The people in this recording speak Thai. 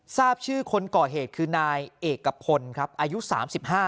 ทราบชื่อคนก่อเหตุคือนายเอกพลครับอายุสามสิบห้า